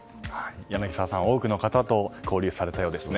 柳澤さん、多くの方と交流されたようですね。